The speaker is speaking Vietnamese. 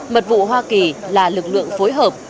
mật vụ hoa kỳ là lực lượng phối hợp